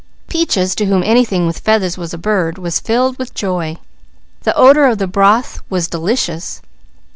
Peaches, to whom anything with feathers was a bird, was filled with joy. The odour of the broth was delicious.